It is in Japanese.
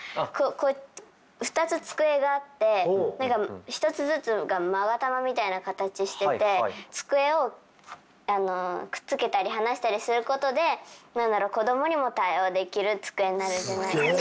こう２つ机があって何か一つずつが勾玉みたいな形してて机をくっつけたり離したりすることで何だろう子どもにも対応できる机になるんじゃないか。